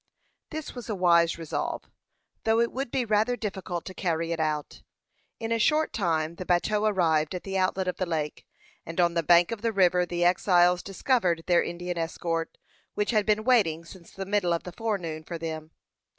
This was a wise resolve, though it would be rather difficult to carry it out. In a short time the bateau arrived at the outlet of the lake, and on the bank of the river the exiles discovered their Indian escort, which had been waiting since the middle of the forenoon for them.